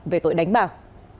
về tội đánh bạc